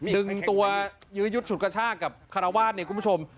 ดึงตัวยืดชุดกระชากกับคาราวาสนี่คุณผู้ชม